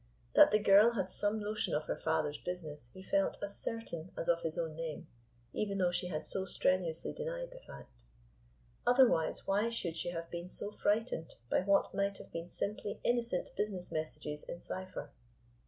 That the girl had some notion of her father's business he felt as certain as of his own name, even though she had so strenuously denied the fact. Otherwise why should she have been so frightened by what might have been simply innocent business messages in cypher?